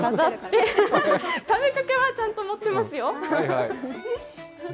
食べかけはちゃんと持ってますよ。